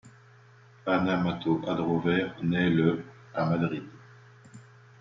Ana Mato Adrover naît le à Madrid.